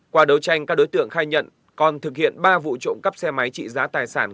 qua đấu tranh các đối tượng khai nhận còn thực hiện ba vụ trộm cắp xe máy trị giá tài sản